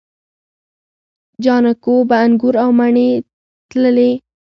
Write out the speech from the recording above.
جانکو به انګور او مڼې تللې.